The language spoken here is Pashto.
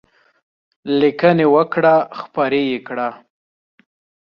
لیکنې وکړه خپرې یې کړه.